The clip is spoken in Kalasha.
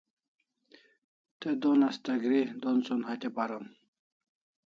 Te don asta gri d'onson hatya paron